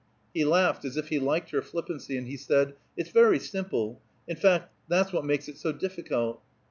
He laughed, as if he liked her flippancy, and he said, "It's very simple. In fact, that's what makes it so difficult."